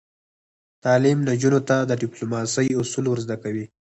تعلیم نجونو ته د ډیپلوماسۍ اصول ور زده کوي.